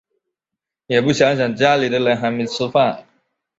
也不想想家里的人还没吃饭